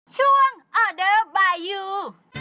ช่วงออเดอร์บายยู